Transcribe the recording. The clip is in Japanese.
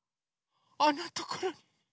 あんなところに。